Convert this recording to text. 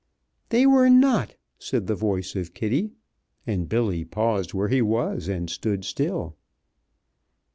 "They were not," said the voice of Kitty, and Billy paused where he was and stood still.